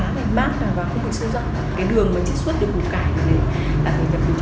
cái đường mà chất xuất được củ cải này là phải nhập được cho bóng đường này chẳng hạn